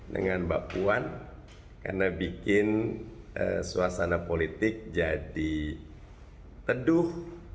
dengan mbak puan karena bikin suasana politik jadi teduh